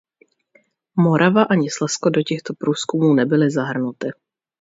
Morava ani Slezsko do těchto průzkumů nebyly zahrnuty.